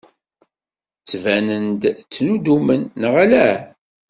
Ttbanen-d ttnudumen, neɣ ala?